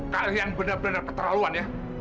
kalian benar benar keterlaluan ya